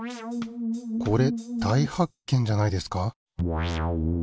これ大発見じゃないですか？